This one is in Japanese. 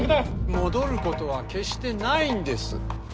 戻ることは決してないんです。